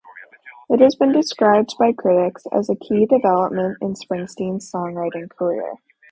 It has been described by critics as a key development in Springsteen's songwriting career.